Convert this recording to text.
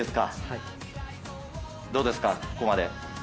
・はい・どうですかここまで。